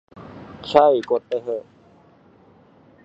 ใช่ กดไปเหอะ